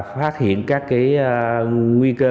phát hiện các cái nguy cơ